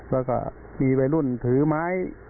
แล้วก็มีวัยรุ่นถือไม้